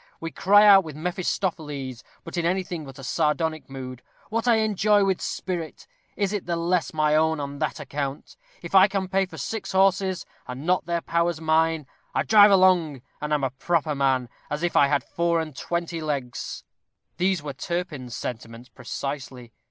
We cry out with Mephistopheles, but in anything but a sardonic mood, "What I enjoy with spirit, is it the less my own on that account? If I can pay for six horses, are not their powers mine! I drive along, and am a proper man, as if I had four and twenty legs!" These were Turpin's sentiments precisely.